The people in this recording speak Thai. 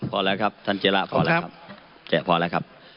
พอแล้วครับท่านเจราะพอแล้วครับ